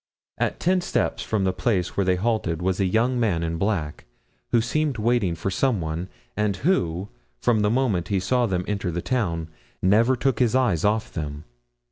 At ten steps from the place where they halted was a young man in black, who seemed waiting for some one, and who, from the moment he saw them enter the town, never took his eyes off them.